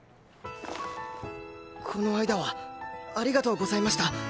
この間はありがとうございました。